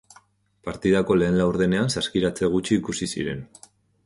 Partidako lehen laurdenean saskiratze gutxi ikusi ziren.